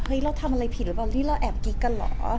เราทำอะไรผิดหรือเปล่านี่เราแอบกิ๊กกันเหรอ